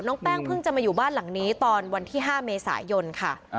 แป้งเพิ่งจะมาอยู่บ้านหลังนี้ตอนวันที่๕เมษายนค่ะ